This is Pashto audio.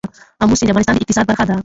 آمو سیند د افغانستان د اقتصاد برخه ده.